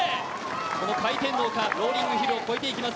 この回転丘、ローリングヒルを越えていきます。